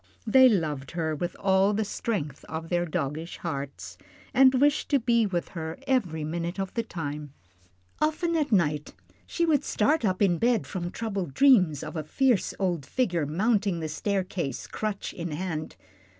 They loved her with all the strength of their doggish hearts, and wished to be with her every minute of the time. Often at night she would start up in bed from troubled dreams of a fierce old figure mounting the staircase, crutch in hand.